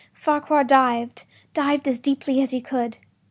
” Farquhar dived—dived as deeply as he could.